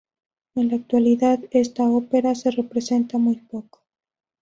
En la actualidad, esta ópera se representa muy poco.